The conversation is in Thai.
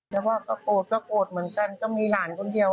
แต่ว่าก็โกรธก็โกรธเหมือนกันก็มีหลานคนเดียว